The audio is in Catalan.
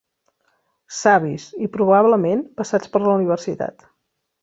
Savis, i probablement passats per la universitat.